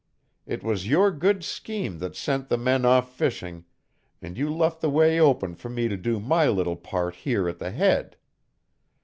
It was your good scheme that sent the men off fishing, and you left the way open for me to do my little part here at the Head.